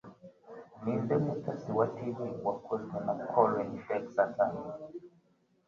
Ninde mutasi wa Tv wakozwe na Colin Dextor